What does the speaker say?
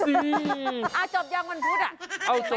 จบยังวันพุธอ่ะ